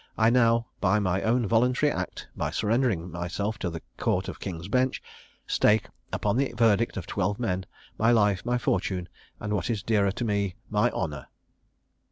I now, by my own voluntary act, by surrendering myself to the Court of King's Bench, stake, upon the verdict of twelve men, my life, my fortune, and, what is dearer to me, my honour.